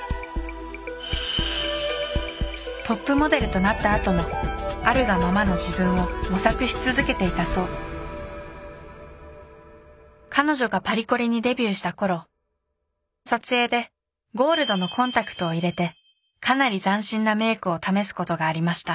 トップモデルとなったあともあるがままの自分を模索し続けていたそう彼女がパリコレにデビューした頃撮影でゴールドのコンタクトを入れてかなり斬新なメイクを試すことがありました。